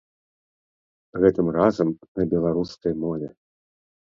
Гэтым разам на беларускай мове.